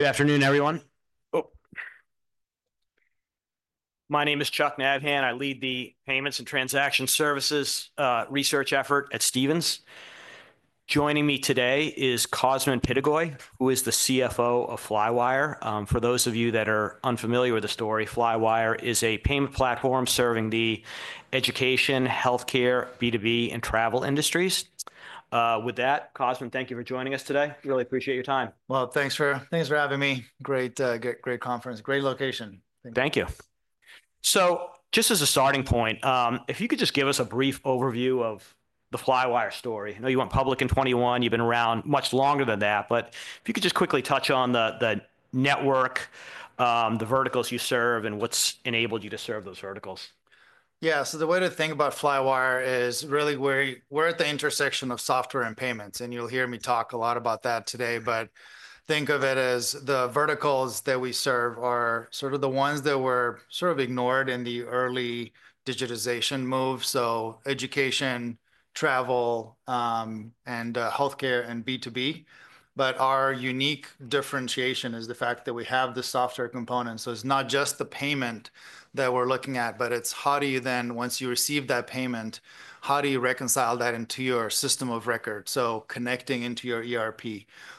Good afternoon, everyone. My name is Chuck Nabhan. I lead the payments and transaction services research effort at Stephens. Joining me today is Cosmin Pitigoi, who is the CFO of Flywire. For those of you that are unfamiliar with the story, Flywire is a payment platform serving the education, healthcare, B2B, and travel industries. With that, Cosmin, thank you for joining us today. Really appreciate your time. Thanks for having me. Great conference, great location. Thank you. So just as a starting point, if you could just give us a brief overview of the Flywire story? I know you went public in 2021. You've been around much longer than that. But if you could just quickly touch on the network, the verticals you serve, and what's enabled you to serve those verticals? Yeah. So the way to think about Flywire is really we're at the intersection of software and payments. And you'll hear me talk a lot about that today. But think of it as the verticals that we serve are sort of the ones that were sort of ignored in the early digitization move, so education, travel, and healthcare, and B2B. But our unique differentiation is the fact that we have the software components. So it's not just the payment that we're looking at, but it's how do you then, once you receive that payment, how do you reconcile that into your system of record, so connecting into your ERP?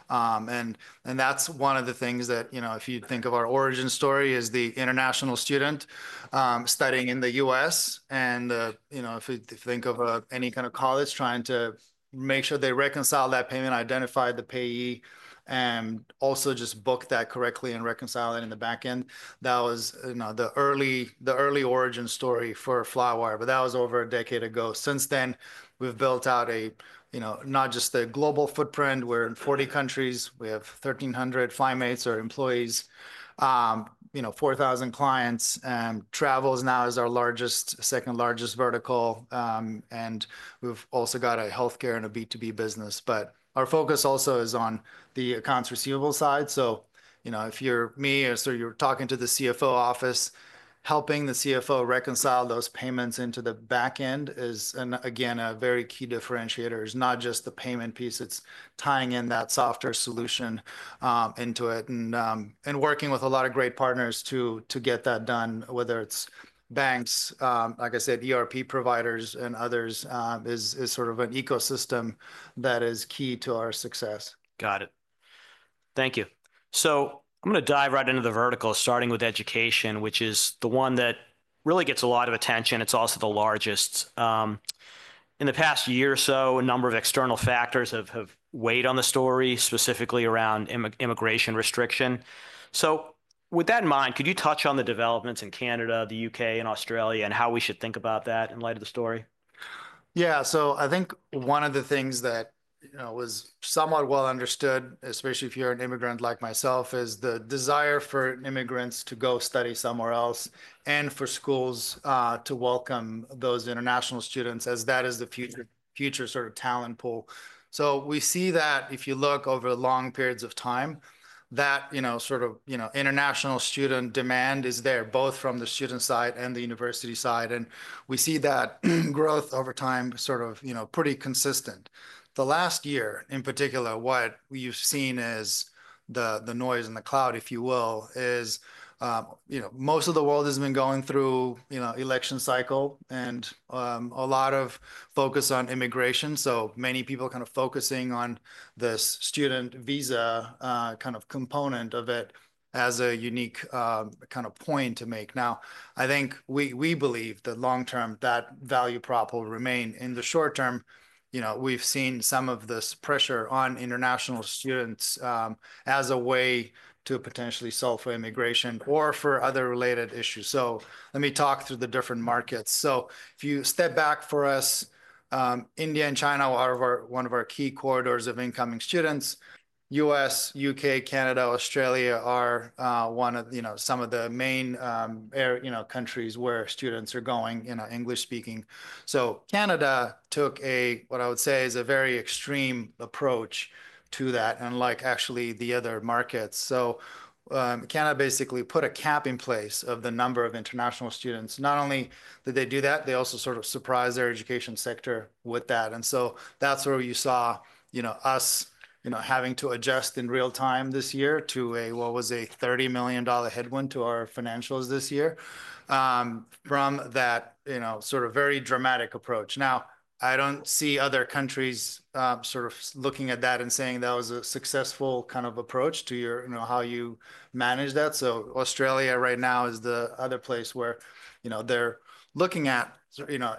And that's one of the things that if you think of our origin story as the international student studying in the U.S., and if you think of any kind of college trying to make sure they reconcile that payment, identify the payee, and also just book that correctly and reconcile it in the back end. That was the early origin story for Flywire. But that was over a decade ago. Since then, we've built out not just a global footprint. We're in 40 countries. We have 1,300 FlyMates or employees, 4,000 clients. Travel is now our second largest vertical. And we've also got a healthcare and a B2B business. But our focus also is on the accounts receivable side. So if you're me or so you're talking to the CFO office, helping the CFO reconcile those payments into the back end is, again, a very key differentiator. It's not just the payment piece. It's tying in that software solution into it and working with a lot of great partners to get that done, whether it's banks, like I said, ERP providers, and others is sort of an ecosystem that is key to our success. Got it. Thank you. So I'm going to dive right into the vertical, starting with education, which is the one that really gets a lot of attention. It's also the largest. In the past year or so, a number of external factors have weighed on the story, specifically around immigration restriction. So with that in mind, could you touch on the developments in Canada, the U.K., and Australia, and how we should think about that in light of the story? Yeah. So I think one of the things that was somewhat well understood, especially if you're an immigrant like myself, is the desire for immigrants to go study somewhere else and for schools to welcome those international students, as that is the future sort of talent pool. So we see that if you look over long periods of time, that sort of international student demand is there, both from the student side and the university side. And we see that growth over time sort of pretty consistent. The last year, in particular, what we've seen is the noise in the crowd, if you will, is most of the world has been going through election cycle and a lot of focus on immigration. So many people kind of focusing on this student visa kind of component of it as a unique kind of point to make. Now, I think we believe that long-term, that value prop will remain. In the short term, we've seen some of this pressure on international students as a way to potentially solve for immigration or for other related issues. So let me talk through the different markets. So if you step back for us, India and China are one of our key corridors of incoming students. U.S., U.K., Canada, Australia are some of the main countries where students are going English-speaking. So Canada took what I would say is a very extreme approach to that, unlike actually the other markets. So Canada basically put a cap in place of the number of international students. Not only did they do that, they also sort of surprised their education sector with that. And so that's where you saw us having to adjust in real time this year to what was a $30 million headwind to our financials this year from that sort of very dramatic approach. Now, I don't see other countries sort of looking at that and saying that was a successful kind of approach to how you manage that. So Australia right now is the other place where they're looking at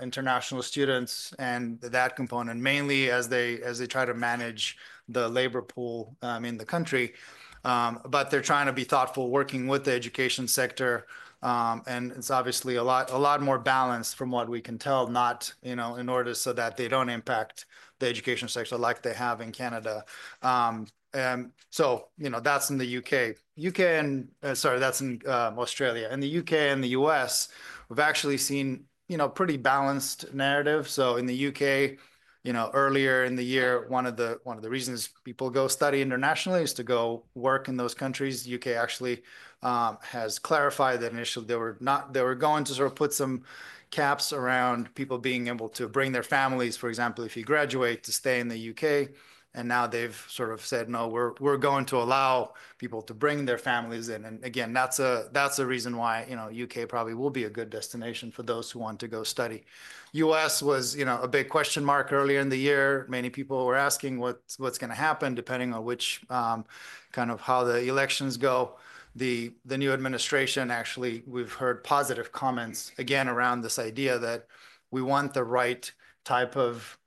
international students and that component, mainly as they try to manage the labor pool in the country. But they're trying to be thoughtful working with the education sector. And it's obviously a lot more balanced from what we can tell, not in order so that they don't impact the education sector like they have in Canada. And so that's in the U.K. Sorry, that's in Australia. In the U.K. and the U.S., we've actually seen a pretty balanced narrative. So in the U.K., earlier in the year, one of the reasons people go study internationally is to go work in those countries. The U.K. actually has clarified that initially they were going to sort of put some caps around people being able to bring their families, for example, if you graduate, to stay in the U.K. And now they've sort of said, no, we're going to allow people to bring their families in. And again, that's a reason why the U.K. probably will be a good destination for those who want to go study. U.S. was a big question mark earlier in the year. Many people were asking what's going to happen depending on kind of how the elections go. The new administration, actually, we've heard positive comments again around this idea that we want the right type of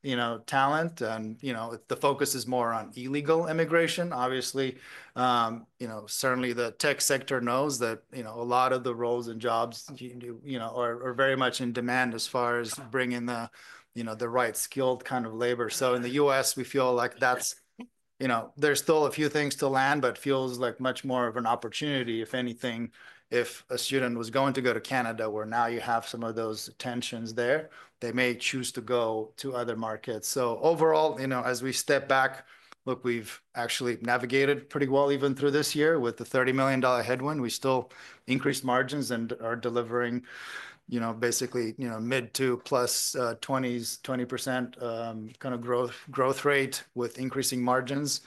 talent. And the focus is more on illegal immigration, obviously. Certainly, the tech sector knows that a lot of the roles and jobs are very much in demand as far as bringing the right skilled kind of labor. So in the U.S., we feel like there's still a few things to land, but it feels like much more of an opportunity, if anything, if a student was going to go to Canada, where now you have some of those tensions there, they may choose to go to other markets. So overall, as we step back, look, we've actually navigated pretty well even through this year with the $30 million headwind. We still increased margins and are delivering basically mid- to plus 20% kind of growth rate with increasing margins.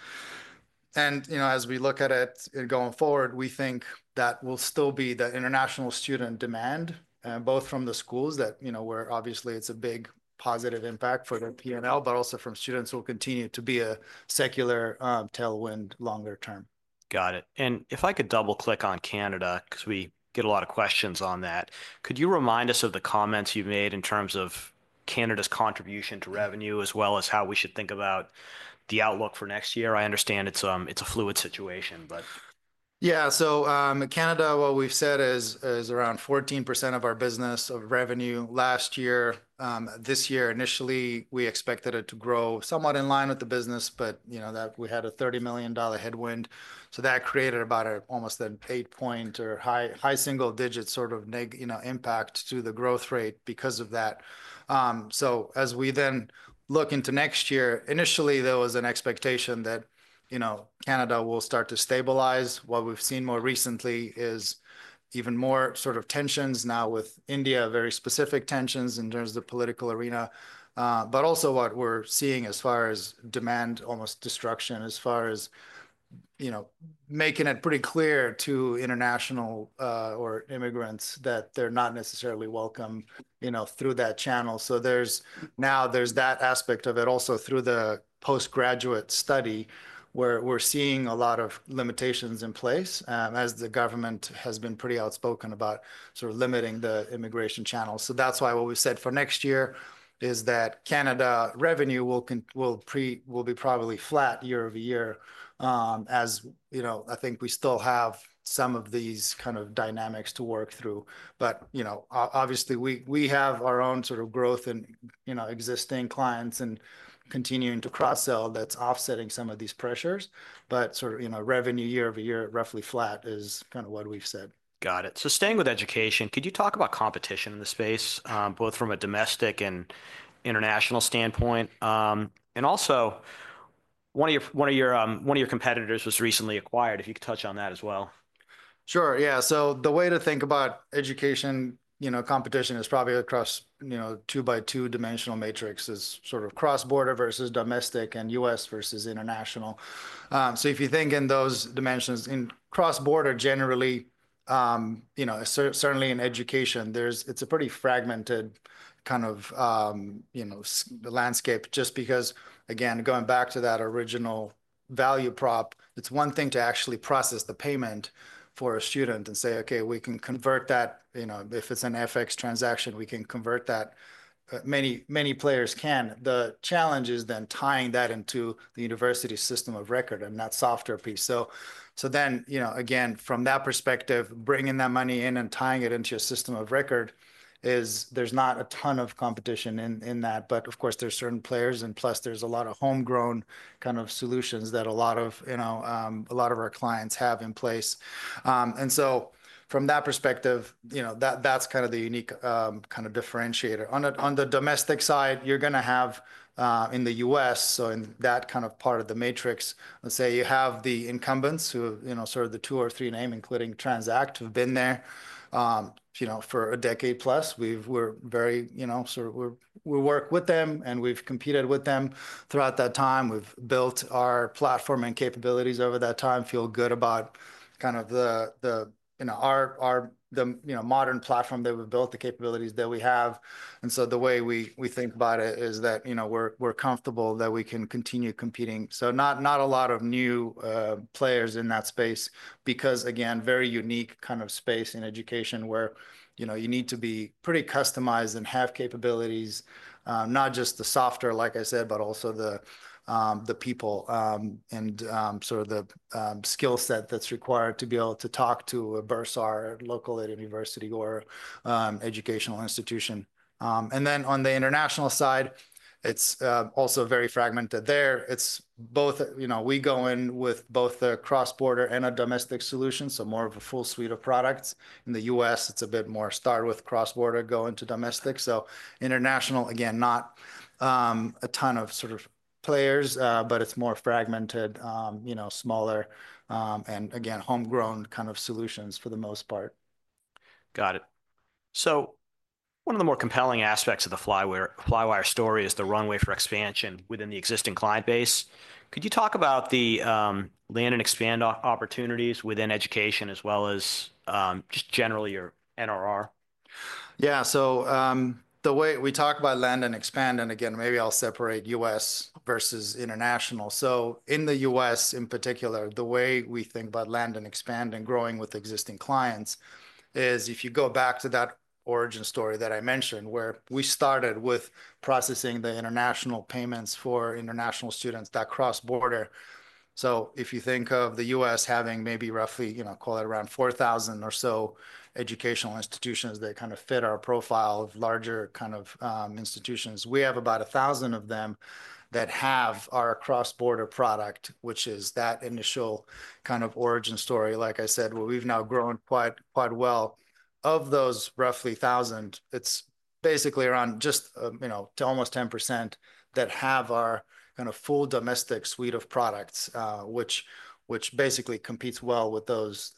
As we look at it going forward, we think that will still be the international student demand, both from the schools that, where obviously it's a big positive impact for their P&L, but also from students who will continue to be a secular tailwind longer term. Got it. And if I could double-click on Canada, because we get a lot of questions on that, could you remind us of the comments you've made in terms of Canada's contribution to revenue as well as how we should think about the outlook for next year? I understand it's a fluid situation, but. Yeah. So Canada, what we've said is around 14% of our business of revenue last year. This year, initially, we expected it to grow somewhat in line with the business, but we had a $30 million headwind. So that created about almost an eight-point or high single-digit sort of impact to the growth rate because of that. So as we then look into next year, initially, there was an expectation that Canada will start to stabilize. What we've seen more recently is even more sort of tensions now with India, very specific tensions in terms of the political arena. But also what we're seeing as far as demand, almost destruction, as far as making it pretty clear to international or immigrants that they're not necessarily welcome through that channel. So now there's that aspect of it also through the postgraduate study where we're seeing a lot of limitations in place as the government has been pretty outspoken about sort of limiting the immigration channel. So that's why what we said for next year is that Canada revenue will be probably flat year over year as I think we still have some of these kind of dynamics to work through. But obviously, we have our own sort of growth and existing clients and continuing to cross-sell that's offsetting some of these pressures. But sort of revenue year over year roughly flat is kind of what we've said. Got it. So staying with education, could you talk about competition in the space, both from a domestic and international standpoint? And also, one of your competitors was recently acquired. If you could touch on that as well. Sure. Yeah. So the way to think about education competition is probably across two-by-two dimensional matrix, is sort of cross-border versus domestic and U.S. versus international. So if you think in those dimensions, in cross-border generally, certainly in education, it's a pretty fragmented kind of landscape just because, again, going back to that original value prop, it's one thing to actually process the payment for a student and say, "Okay, we can convert that. If it's an FX transaction, we can convert that." Many players can. The challenge is then tying that into the university system of record and that software piece. So then, again, from that perspective, bringing that money in and tying it into a system of record, there's not a ton of competition in that. But of course, there's certain players. And plus, there's a lot of homegrown kind of solutions that a lot of our clients have in place. And so from that perspective, that's kind of the unique kind of differentiator. On the domestic side, you're going to have in the U.S., so in that kind of part of the matrix, let's say you have the incumbents, sort of the two or three names, including Transact, who've been there for a decade plus. We're very sort of we work with them, and we've competed with them throughout that time. We've built our platform and capabilities over that time, feel good about kind of our modern platform that we've built, the capabilities that we have. And so the way we think about it is that we're comfortable that we can continue competing. So not a lot of new players in that space because, again, very unique kind of space in education where you need to be pretty customized and have capabilities, not just the software, like I said, but also the people and sort of the skill set that's required to be able to talk to a bursar locally at a university or educational institution. And then on the international side, it's also very fragmented there. We go in with both a cross-border and a domestic solution, so more of a full suite of products. In the U.S., it's a bit more start with cross-border, go into domestic. So international, again, not a ton of sort of players, but it's more fragmented, smaller, and again, homegrown kind of solutions for the most part. Got it. So one of the more compelling aspects of the Flywire story is the runway for expansion within the existing client base. Could you talk about the land and expand opportunities within education as well as just generally your NRR? Yeah. So the way we talk about land and expand, and again, maybe I'll separate U.S. versus international. So in the U.S. in particular, the way we think about land and expand and growing with existing clients is if you go back to that origin story that I mentioned where we started with processing the international payments for international students that cross-border. So if you think of the U.S. having maybe roughly, call it around 4,000 or so educational institutions that kind of fit our profile of larger kind of institutions, we have about 1,000 of them that have our cross-border product, which is that initial kind of origin story. Like I said, we've now grown quite well. Of those roughly 1,000, it's basically around just to almost 10% that have our kind of full domestic suite of products, which basically competes well with those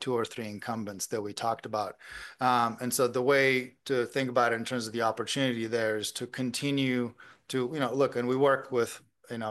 two or three incumbents that we talked about. And so the way to think about it in terms of the opportunity there is to continue to look, and we work with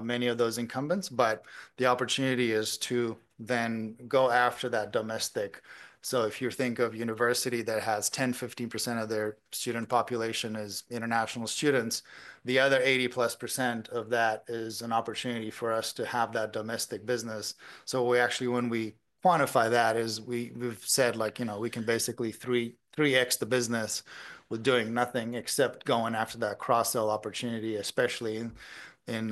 many of those incumbents, but the opportunity is to then go after that domestic. So if you think of a university that has 10-15% of their student population as international students, the other 80-plus% of that is an opportunity for us to have that domestic business. So actually, when we quantify that, we've said we can basically 3X the business with doing nothing except going after that cross-sell opportunity, especially in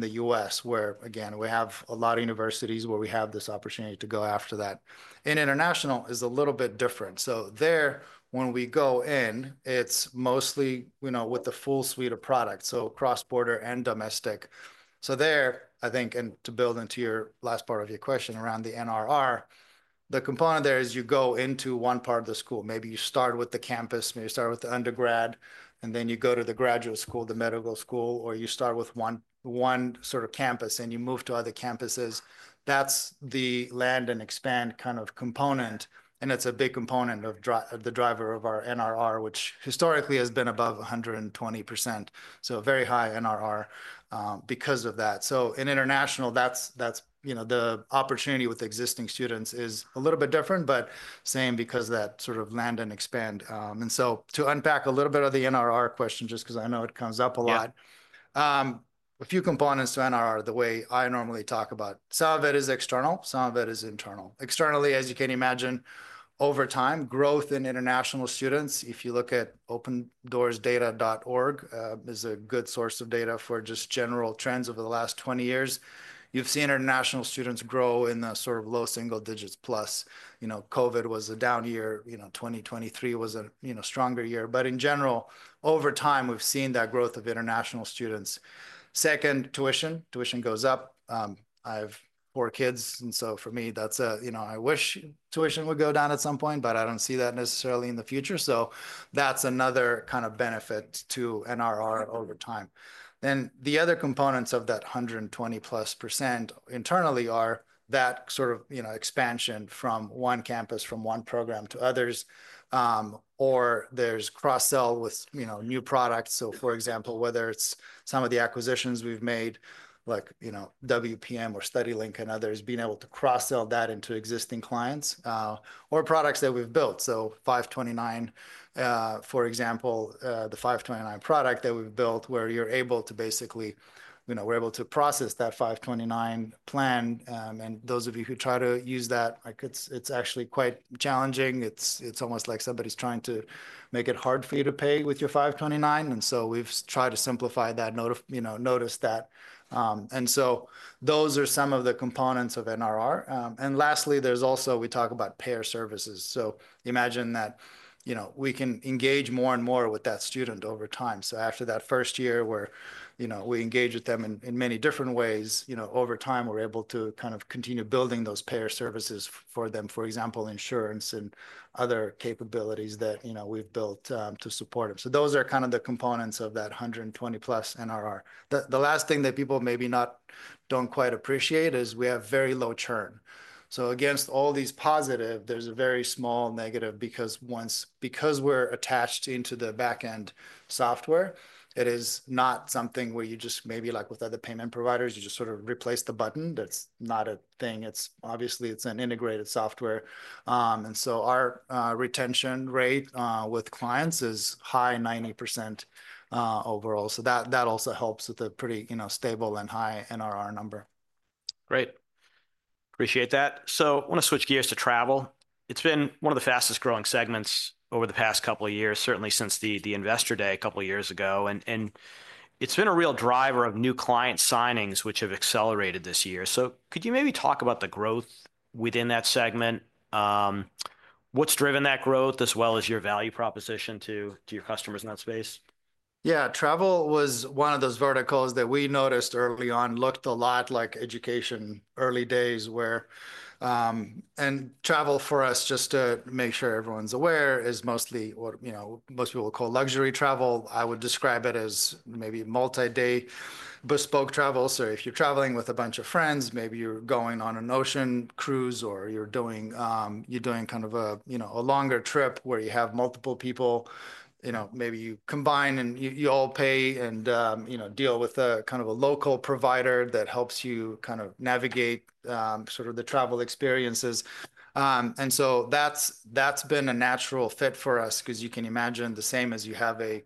the U.S. where, again, we have a lot of universities where we have this opportunity to go after that. In international, it's a little bit different. So there, when we go in, it's mostly with the full suite of products, so cross-border and domestic. So there, I think, and to build into your last part of your question around the NRR, the component there is you go into one part of the school. Maybe you start with the campus, maybe you start with the undergrad, and then you go to the graduate school, the medical school, or you start with one sort of campus and you move to other campuses. That's the land and expand kind of component. And it's a big component of the driver of our NRR, which historically has been above 120%. So very high NRR because of that. So in international, the opportunity with existing students is a little bit different, but same because of that sort of land and expand. And so to unpack a little bit of the NRR question, just because I know it comes up a lot, a few components to NRR, the way I normally talk about. Some of it is external. Some of it is internal. Externally, as you can imagine, over time, growth in international students, if you look at opendoorsdata.org, is a good source of data for just general trends over the last 20 years. You've seen international students grow in the sort of low single digits plus. COVID was a down year. 2023 was a stronger year. But in general, over time, we've seen that growth of international students. Second, tuition. Tuition goes up. I have four kids. And so for me, I wish tuition would go down at some point, but I don't see that necessarily in the future. So that's another kind of benefit to NRR over time. And the other components of that 120-plus% internally are that sort of expansion from one campus, from one program to others, or there's cross-sell with new products. So for example, whether it's some of the acquisitions we've made, like WPM or StudyLink and others, being able to cross-sell that into existing clients or products that we've built. So 529, for example, the 529 product that we've built where we're able to process that 529 plan. And those of you who try to use that, it's actually quite challenging. It's almost like somebody's trying to make it hard for you to pay with your 529. And so we've tried to simplify that, notice that. And so those are some of the components of NRR. And lastly, there's also we talk about payer services. Imagine that we can engage more and more with that student over time. After that first year where we engage with them in many different ways, over time, we're able to kind of continue building those payer services for them, for example, insurance and other capabilities that we've built to support them. Those are kind of the components of that 120-plus NRR. The last thing that people maybe don't quite appreciate is we have very low churn. Against all these positives, there's a very small negative because we're attached into the backend software. It is not something where you just maybe like with other payment providers, you just sort of replace the button. That's not a thing. Obviously, it's an integrated software. And so our retention rate with clients is high, 90% overall. That also helps with a pretty stable and high NRR number. Great. Appreciate that. So I want to switch gears to travel. It's been one of the fastest growing segments over the past couple of years, certainly since the Investor Day a couple of years ago. And it's been a real driver of new client signings, which have accelerated this year. So could you maybe talk about the growth within that segment? What's driven that growth as well as your value proposition to your customers in that space? Yeah. Travel was one of those verticals that we noticed early on looked a lot like education early days where, and travel for us, just to make sure everyone's aware, is mostly what most people call luxury travel. I would describe it as maybe multi-day bespoke travel. So if you're traveling with a bunch of friends, maybe you're going on an ocean cruise or you're doing kind of a longer trip where you have multiple people, maybe you combine and you all pay and deal with kind of a local provider that helps you kind of navigate sort of the travel experiences. And so that's been a natural fit for us because you can imagine the same as you have a,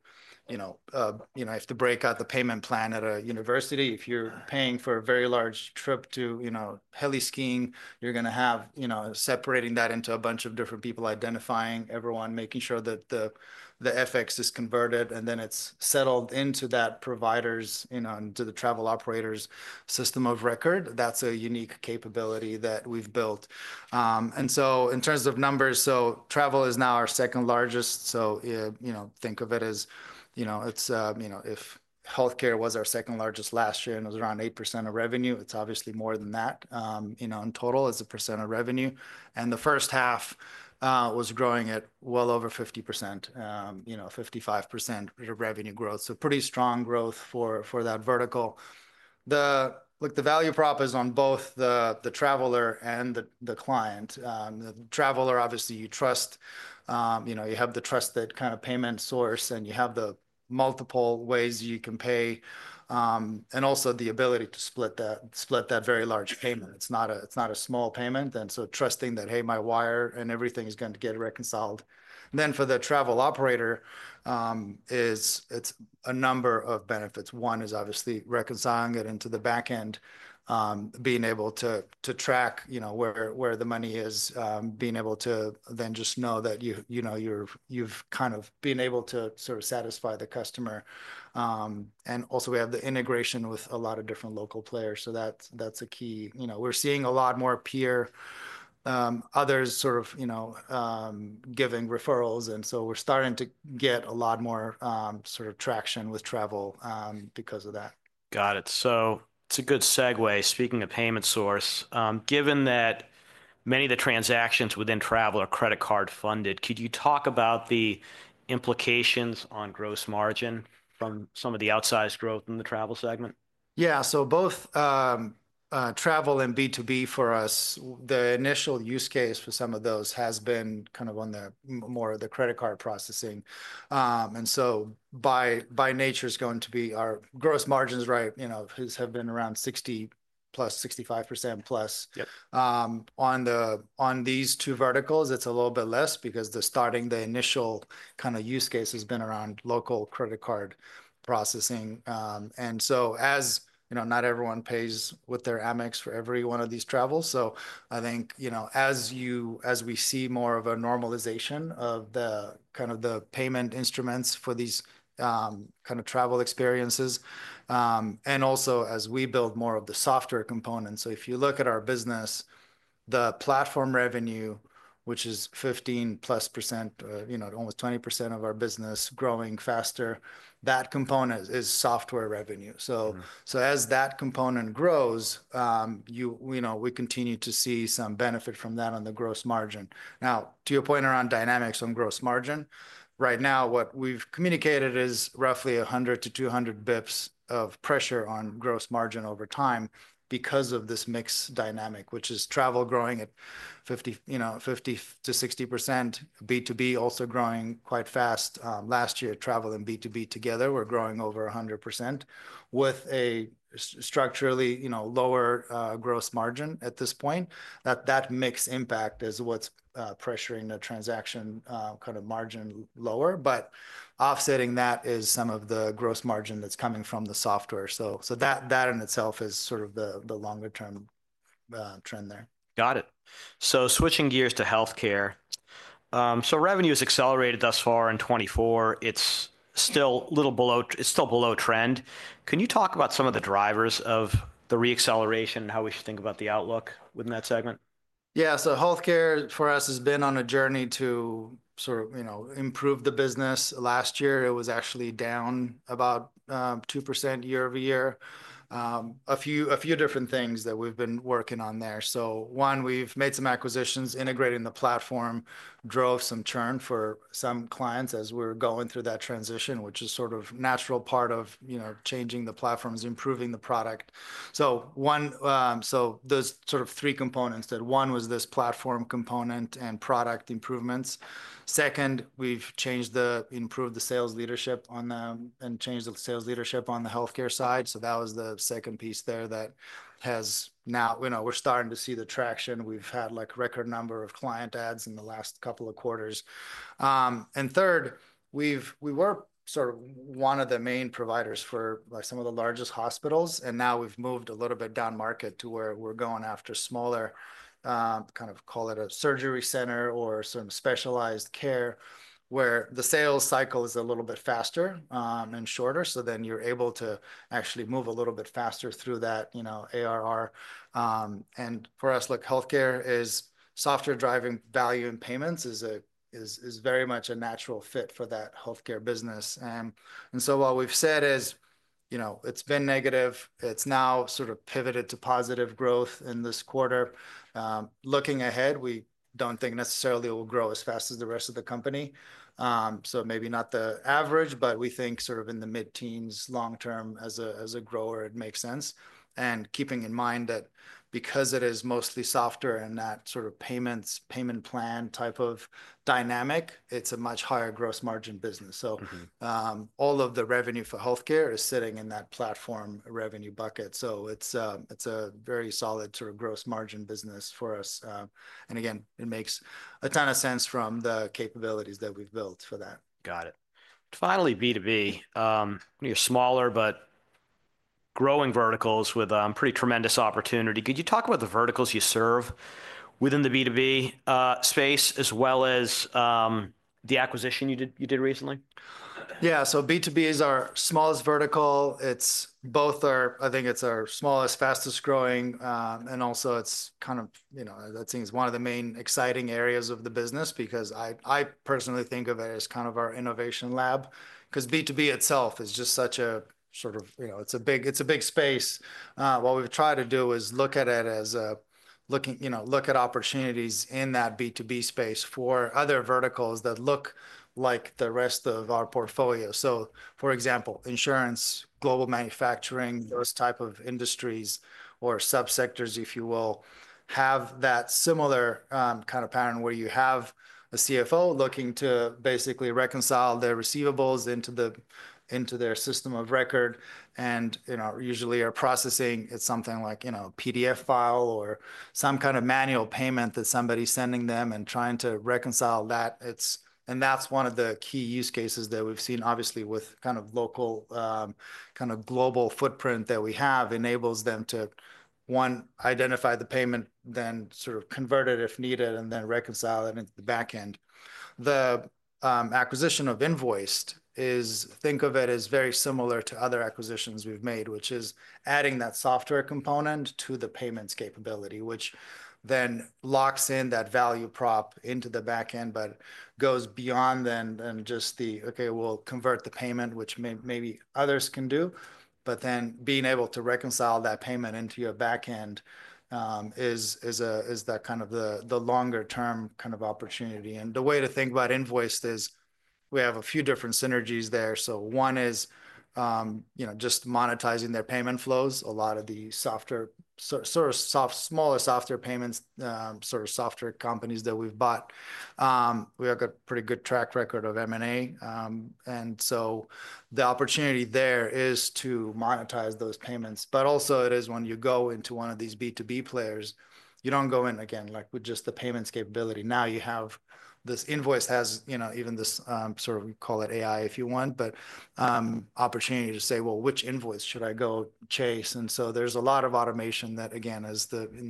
if you break out the payment plan at a university, if you're paying for a very large trip to heli-skiing, you're going to have separating that into a bunch of different people, identifying everyone, making sure that the FX is converted, and then it's settled into that provider's, into the travel operator's system of record. That's a unique capability that we've built. And so in terms of numbers, so travel is now our second largest. So think of it as if healthcare was our second largest last year and it was around 8% of revenue, it's obviously more than that in total as a percent of revenue. And the first half was growing at well over 50%, 55% revenue growth. So pretty strong growth for that vertical. The value prop is on both the traveler and the client. The traveler, obviously, you trust. You have the trusted kind of payment source and you have the multiple ways you can pay and also the ability to split that very large payment. It's not a small payment. And so trusting that, hey, my wire and everything is going to get reconciled. Then for the travel operator, it's a number of benefits. One is obviously reconciling it into the backend, being able to track where the money is, being able to then just know that you've kind of been able to sort of satisfy the customer. And also we have the integration with a lot of different local players. So that's a key. We're seeing a lot more peers, others sort of giving referrals. We're starting to get a lot more sort of traction with travel because of that. Got it. So it's a good segue. Speaking of payment source, given that many of the transactions within travel are credit card funded, could you talk about the implications on gross margin from some of the outsized growth in the travel segment? Yeah, so both travel and B2B for us, the initial use case for some of those has been kind of on more of the credit card processing, and so by nature, it's going to be our gross margins, right, have been around 60+%, 65%+. On these two verticals, it's a little bit less because the starting, the initial kind of use case has been around local credit card processing, and so not everyone pays with their Amex for every one of these travels, so I think as we see more of a normalization of kind of the payment instruments for these kind of travel experiences and also as we build more of the software components, so if you look at our business, the platform revenue, which is 15+%, almost 20% of our business growing faster, that component is software revenue. As that component grows, we continue to see some benefit from that on the gross margin. Now, to your point around dynamics on gross margin, right now, what we've communicated is roughly 100-200 basis points of pressure on gross margin over time because of this mixed dynamic, which is travel growing at 50-60%, B2B also growing quite fast. Last year, travel and B2B together were growing over 100% with a structurally lower gross margin at this point. That mixed impact is what's pressuring the transaction kind of margin lower. But offsetting that is some of the gross margin that's coming from the software. That in itself is sort of the longer-term trend there. Got it. So switching gears to healthcare. So revenue has accelerated thus far in 2024. It's still a little below trend. Can you talk about some of the drivers of the reacceleration and how we should think about the outlook within that segment? Yeah. So healthcare for us has been on a journey to sort of improve the business. Last year, it was actually down about 2% year over year. A few different things that we've been working on there. So one, we've made some acquisitions, integrating the platform, drove some churn for some clients as we're going through that transition, which is sort of natural part of changing the platforms, improving the product. So those sort of three components that one was this platform component and product improvements. Second, we've improved the sales leadership on them and changed the sales leadership on the healthcare side. So that was the second piece there that has now we're starting to see the traction. We've had a record number of client adds in the last couple of quarters. And third, we were sort of one of the main providers for some of the largest hospitals. And now we've moved a little bit down market to where we're going after smaller, kind of call it a surgery center or some specialized care where the sales cycle is a little bit faster and shorter. So then you're able to actually move a little bit faster through that ARR. And for us, healthcare is software driving value and payments is very much a natural fit for that healthcare business. And so what we've said is it's been negative. It's now sort of pivoted to positive growth in this quarter. Looking ahead, we don't think necessarily it will grow as fast as the rest of the company. So maybe not the average, but we think sort of in the mid-teens, long-term as a grower, it makes sense. And keeping in mind that because it is mostly software and that sort of payment plan type of dynamic, it's a much higher gross margin business. So all of the revenue for healthcare is sitting in that platform revenue bucket. So it's a very solid sort of gross margin business for us. And again, it makes a ton of sense from the capabilities that we've built for that. Got it. Finally, B2B, your smaller, but growing verticals with pretty tremendous opportunity. Could you talk about the verticals you serve within the B2B space as well as the acquisition you did recently? Yeah. So B2B is our smallest vertical. I think it's our smallest, fastest growing. And also it's kind of, that seems one of the main exciting areas of the business because I personally think of it as kind of our innovation lab because B2B itself is just such a sort of, it's a big space. What we've tried to do is look at it as look at opportunities in that B2B space for other verticals that look like the rest of our portfolio. So for example, insurance, global manufacturing, those type of industries or subsectors, if you will, have that similar kind of pattern where you have a CFO looking to basically reconcile their receivables into their system of record. And usually our processing, it's something like a PDF file or some kind of manual payment that somebody's sending them and trying to reconcile that. And that's one of the key use cases that we've seen, obviously, with kind of local kind of global footprint that we have enables them to, one, identify the payment, then sort of convert it if needed, and then reconcile it into the backend. The acquisition of Invoiced is, think of it as very similar to other acquisitions we've made, which is adding that software component to the payments capability, which then locks in that value prop into the backend, but goes beyond then and just the, okay, we'll convert the payment, which maybe others can do. But then being able to reconcile that payment into your backend is that kind of the longer-term kind of opportunity. And the way to think about Invoiced is we have a few different synergies there. One is just monetizing their payment flows, a lot of the smaller software payments, sort of software companies that we've bought. We have a pretty good track record of M&A. And so the opportunity there is to monetize those payments. But also it is when you go into one of these B2B players, you don't go in again with just the payments capability. Now you have this Invoiced has even this sort of, we call it AI if you want, but opportunity to say, well, which invoice should I go chase? And so there's a lot of automation that, again, in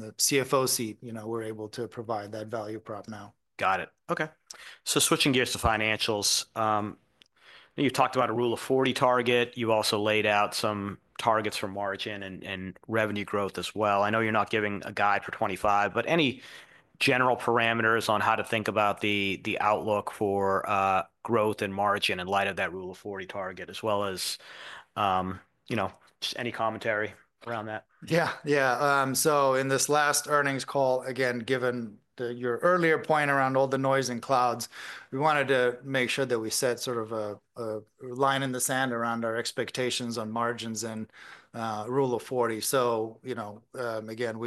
the CFO seat, we're able to provide that value prop now. Got it. Okay. So switching gears to financials. You talked about a Rule of 40 target. You also laid out some targets for margin and revenue growth as well. I know you're not giving a guide for 2025, but any general parameters on how to think about the outlook for growth and margin in light of that Rule of 40 target, as well as just any commentary around that? Yeah. Yeah. So in this last earnings call, again, given your earlier point around all the noise and clouds, we wanted to make sure that we set sort of a line in the sand around our expectations on margins and Rule of 40. So again,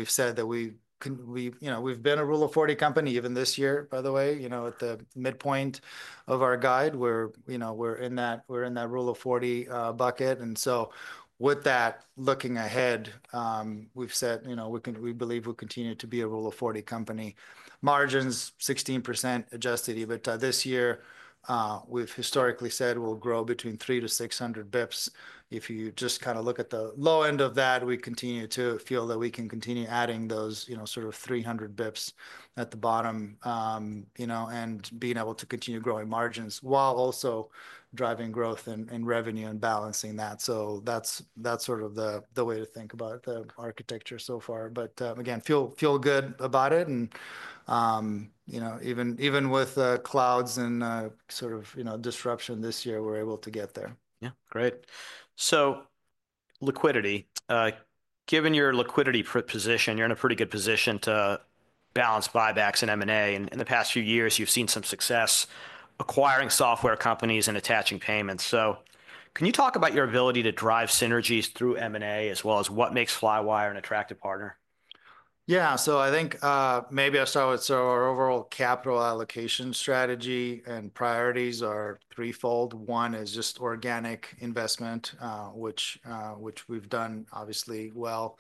we've said that we've been a Rule of 40 company even this year, by the way, at the midpoint of our guide. We're in that Rule of 40 bucket. And so with that, looking ahead, we've said we believe we'll continue to be a Rule of 40 company. Margins, 16% Adjusted EBITDA. But this year, we've historically said we'll grow between 300 to 600 basis points. If you just kind of look at the low end of that, we continue to feel that we can continue adding those sort of 300 basis points at the bottom and being able to continue growing margins while also driving growth and revenue and balancing that. So that's sort of the way to think about the architecture so far. But again, feel good about it. And even with clouds and sort of disruption this year, we're able to get there. Yeah. Great. So liquidity. Given your liquidity position, you're in a pretty good position to balance buybacks and M&A. And in the past few years, you've seen some success acquiring software companies and attaching payments. So can you talk about your ability to drive synergies through M&A as well as what makes Flywire an attractive partner? Yeah. So I think maybe I'll start with our overall capital allocation strategy and priorities are threefold. One is just organic investment, which we've done obviously well.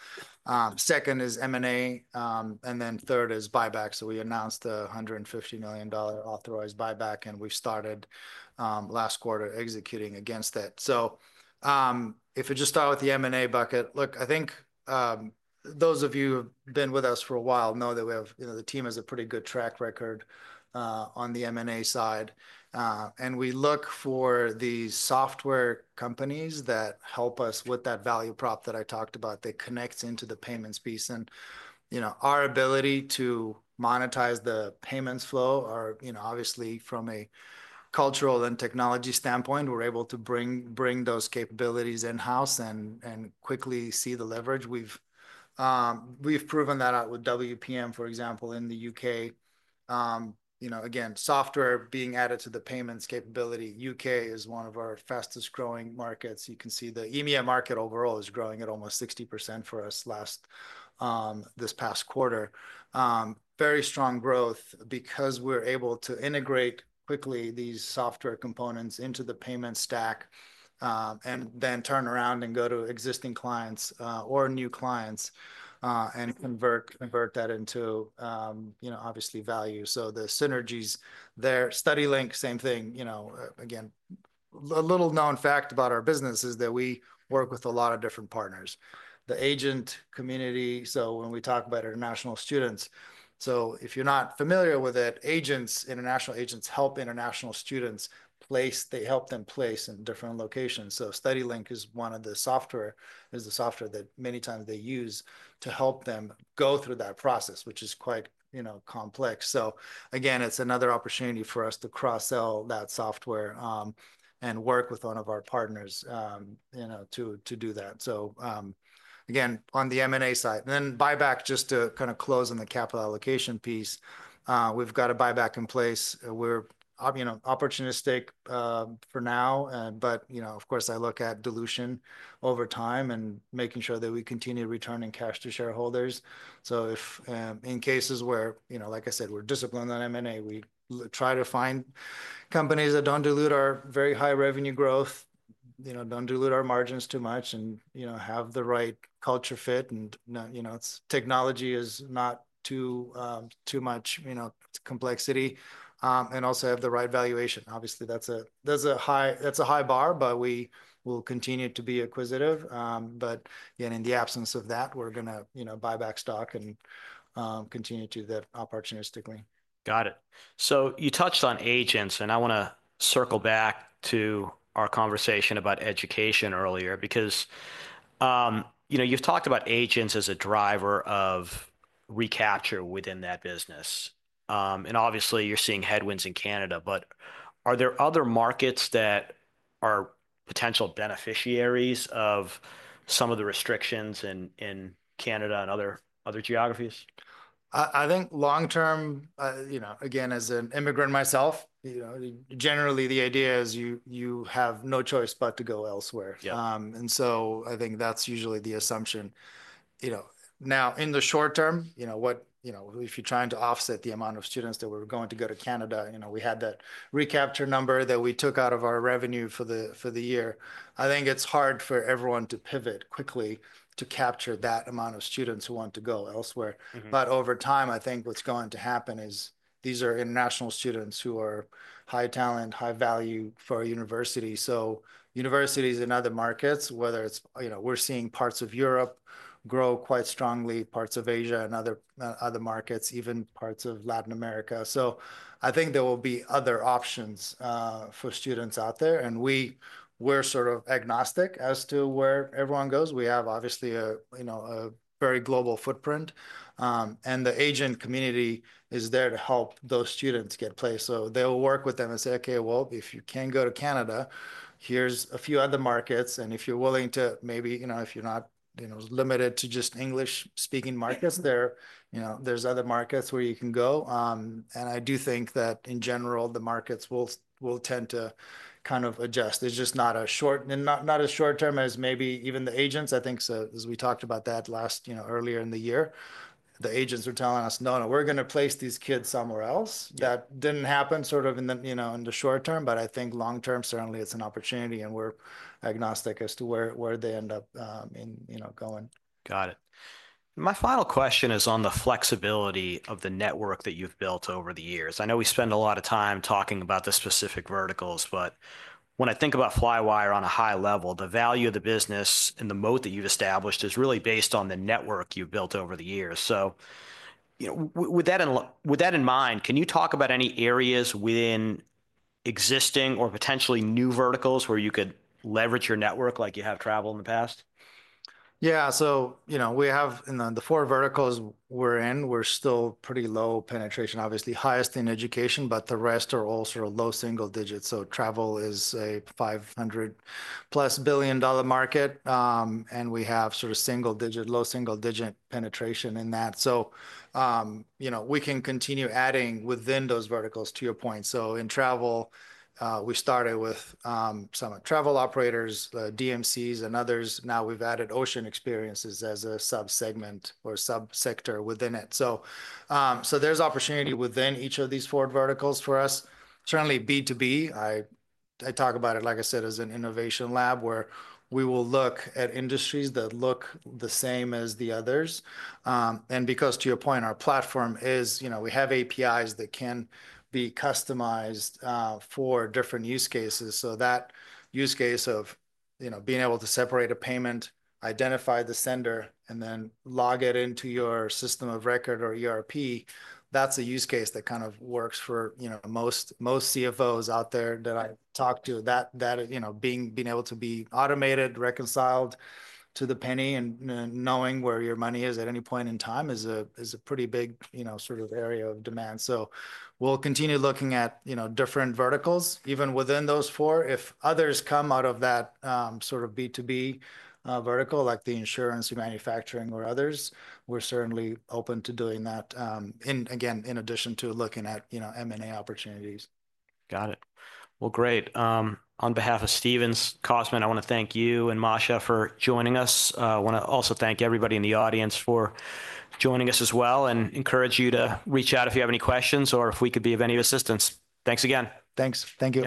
Second is M&A. And then third is buyback. So we announced the $150 million authorized buyback, and we've started last quarter executing against that. So if we just start with the M&A bucket, look, I think those of you who have been with us for a while know that the team has a pretty good track record on the M&A side. And we look for the software companies that help us with that value prop that I talked about. They connect into the payments piece. And our ability to monetize the payments flow, obviously from a cultural and technology standpoint, we're able to bring those capabilities in-house and quickly see the leverage. We've proven that out with WPM, for example, in the UK. Again, software being added to the payments capability. UK is one of our fastest growing markets. You can see the EMEA market overall is growing at almost 60% for us this past quarter. Very strong growth because we're able to integrate quickly these software components into the payment stack and then turn around and go to existing clients or new clients and convert that into obviously value. So the synergies there. StudyLink, same thing. Again, a little known fact about our business is that we work with a lot of different partners. The agent community, so when we talk about international students. So if you're not familiar with it, international agents help international students place. They help them place in different locations. So StudyLink is one of the software that many times they use to help them go through that process, which is quite complex. So again, it's another opportunity for us to cross-sell that software and work with one of our partners to do that. So again, on the M&A side. And then buyback, just to kind of close on the capital allocation piece, we've got a buyback in place. We're opportunistic for now, but of course, I look at dilution over time and making sure that we continue returning cash to shareholders. So in cases where, like I said, we're disciplined on M&A, we try to find companies that don't dilute our very high revenue growth, don't dilute our margins too much, and have the right culture fit. And technology is not too much complexity. And also have the right valuation. Obviously, that's a high bar, but we will continue to be acquisitive. But in the absence of that, we're going to buy back stock and continue to do that opportunistically. Got it. So you touched on agents, and I want to circle back to our conversation about education earlier because you've talked about agents as a driver of recapture within that business. And obviously, you're seeing headwinds in Canada, but are there other markets that are potential beneficiaries of some of the restrictions in Canada and other geographies? I think long-term, again, as an immigrant myself, generally the idea is you have no choice but to go elsewhere. And so I think that's usually the assumption. Now, in the short term, if you're trying to offset the amount of students that were going to go to Canada, we had that recapture number that we took out of our revenue for the year. I think it's hard for everyone to pivot quickly to capture that amount of students who want to go elsewhere. But over time, I think what's going to happen is these are international students who are high talent, high value for a university. So universities in other markets, whether it's we're seeing parts of Europe grow quite strongly, parts of Asia and other markets, even parts of Latin America. So I think there will be other options for students out there. We're sort of agnostic as to where everyone goes. We have obviously a very global footprint. The agent community is there to help those students get placed. They'll work with them and say, "Okay, well, if you can go to Canada, here's a few other markets. And if you're willing to maybe, if you're not limited to just English-speaking markets, there's other markets where you can go." I do think that in general, the markets will tend to kind of adjust. It's just not as short-term as maybe even the agents. I think as we talked about that earlier in the year, the agents are telling us, "No, no, we're going to place these kids somewhere else." That didn't happen sort of in the short term, but I think long-term, certainly it's an opportunity and we're agnostic as to where they end up going. Got it. My final question is on the flexibility of the network that you've built over the years. I know we spend a lot of time talking about the specific verticals, but when I think about Flywire on a high level, the value of the business and the moat that you've established is really based on the network you've built over the years. So with that in mind, can you talk about any areas within existing or potentially new verticals where you could leverage your network like you have in travel in the past? Yeah. So we have in the four verticals we're in, we're still pretty low penetration, obviously highest in education, but the rest are all sort of low single digits. So travel is a $500-plus billion market. And we have sort of low single-digit penetration in that. So we can continue adding within those verticals to your point. So in travel, we started with some travel operators, DMCs, and others. Now we've added ocean experiences as a subsegment or subsector within it. So there's opportunity within each of these four verticals for us. Certainly B2B, I talk about it, like I said, as an innovation lab where we will look at industries that look the same as the others. And because to your point, our platform is we have APIs that can be customized for different use cases. So that use case of being able to separate a payment, identify the sender, and then log it into your system of record or ERP, that's a use case that kind of works for most CFOs out there that I've talked to. Being able to be automated, reconciled to the penny, and knowing where your money is at any point in time is a pretty big sort of area of demand. So we'll continue looking at different verticals even within those four. If others come out of that sort of B2B vertical, like the insurance, manufacturing, or others, we're certainly open to doing that, again, in addition to looking at M&A opportunities. Got it. Well, great. On behalf of Stephens, Cosmin, I want to thank you and Masha for joining us. I want to also thank everybody in the audience for joining us as well and encourage you to reach out if you have any questions or if we could be of any assistance. Thanks again. Thanks. Thank you.